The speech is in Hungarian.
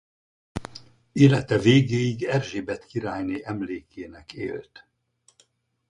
Élete végéig Erzsébet királyné emlékének élt.